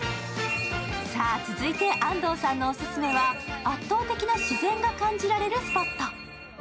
続いて安藤さんのおすすめは圧倒的な自然が感じられるスポット。